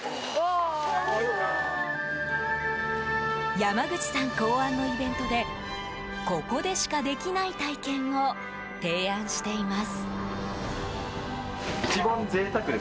山口さん考案のイベントでここでしかできない体験を提案しています。